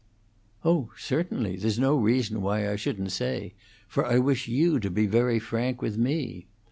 "Oh, certainly. There's no reason why I shouldn't say, for I wish you to be very frank with me.